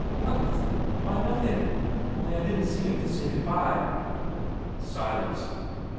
"Want with him? why, nothing. Only I didn't see him to say good bye." Silence.